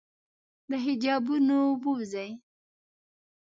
د حجابونو ووزي